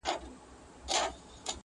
چي زمري له لیري ولید په ځغستا سو؛